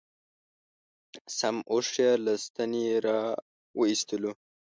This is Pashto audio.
سم اوښ یې له ستنې را و ایستلو.